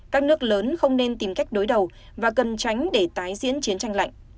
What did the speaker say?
các nước lớn không nên tìm cách đối đầu và cần tránh để tái diễn chiến tranh lạnh